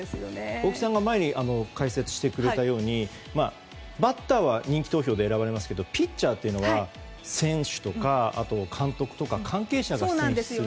大木さんが前に解説してくれたようにバッターは人気投票で選ばれますけどピッチャーというのは選手とか監督とか関係者が選出する。